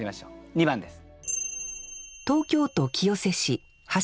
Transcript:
２番です。